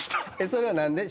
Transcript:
それは何で？